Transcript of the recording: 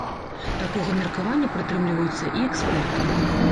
Такога меркавання прытрымліваюцца і эксперты.